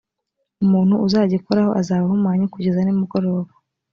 umuntu uzagikoraho azaba ahumanye kugeza nimugoroba